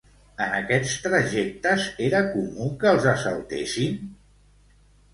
En aquests trajectes, era comú que els assaltessin?